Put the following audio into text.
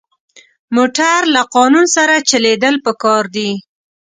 موټر له قانون سره چلېدل پکار دي.